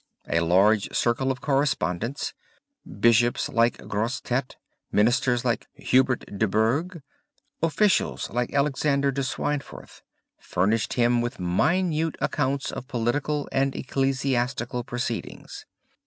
A large circle of correspondents bishops like Grosseteste, ministers like Hubert de Burgh, officials like Alexander de Swinford furnished him with minute accounts of political and ecclesiastical proceedings.